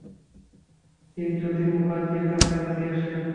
তিনি যতীন মুখার্জির কাছাকাছি আসেন।